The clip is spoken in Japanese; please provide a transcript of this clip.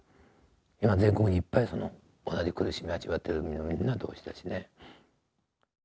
今全国にいっぱい同じ苦しみを味わってるみんな同士だしね。